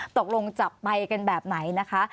ตกลงจับใบเป็นแบบไหนนะคะ